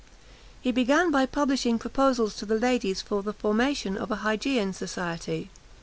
He began by publishing proposals to the ladies for the formation of a Hygeian Society.